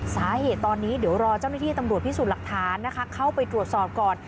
สาเหตุตอนนี้เดี๋ยวรอเจ้าหน้าที่ตำรวจพิสูจน์หลักฐานนะคะเข้าไปตรวจสอบก่อน